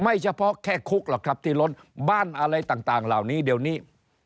เฉพาะแค่คุกหรอกครับที่ล้นบ้านอะไรต่างเหล่านี้เดี๋ยวนี้